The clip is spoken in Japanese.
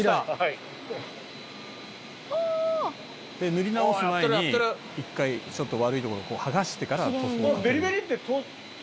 「塗り直す前に一回ちょっと悪いところをこう剥がしてから塗装」